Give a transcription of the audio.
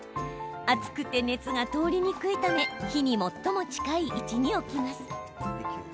厚くて熱が通りにくいため火に最も近い位置に置きます。